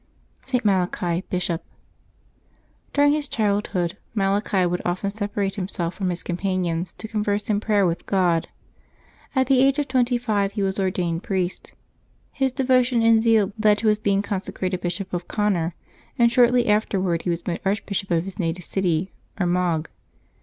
ST. MALACHI, Bishop. OUEING his childhood Malachi would often separate him self from his companions to converse in prayer with God. At the age of twenty five he was ordained priest; his devotion and zeal led to his being consecrated Bishop of Connor, and shortly afterwards he was made Archbishop of his native city, Armagh.